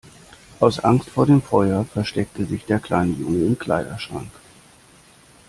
Aus Angst vor dem Feuer versteckte sich der kleine Junge im Kleiderschrank.